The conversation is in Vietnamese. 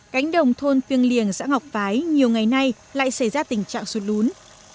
cánh đồng thôn phiêng liềng xã ngọc phái nhiều ngày nay lại xảy ra tình trạng sụt lún